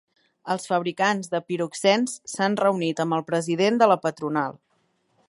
Els fabricants de piroxens s'han reunit amb el president de la patronal.